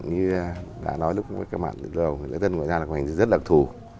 như đã nói lúc nãy các bạn lễ tân ngoại giao là một hành trình rất lạc thù